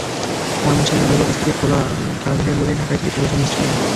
ময়মনসিংহের যুবক স্ত্রীকে খেলা দেখাবেন বলেই ঢাকা থেকে চলে এসেছেন স্টেডিয়ামে।